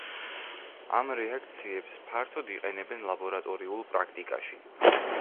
ამ რეაქციებს ფართოდ იყენებენ ლაბორატორიულ პრაქტიკაში.